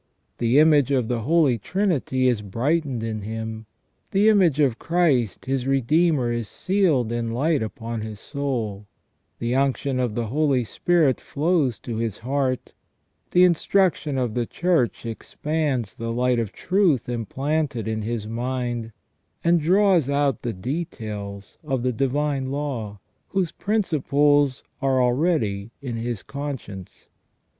The image of the Holy Trinity is brightened in him ; the image of Christ, his Redeemer, is sealed in light upon his soul ; the unction of the Holy Spirit flows to his heart ; the instruction of the Church expands the light of truth implanted in his mind, and draws out the details of the divine law, whose principles are already in his conscience.